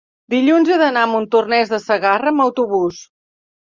dilluns he d'anar a Montornès de Segarra amb autobús.